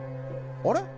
あれ？